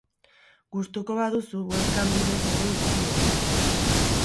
Gustuko baduzu, webcam bidez ere ikusi dezakezu.